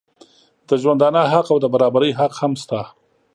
د ژوندانه حق او د برابري حق هم شته.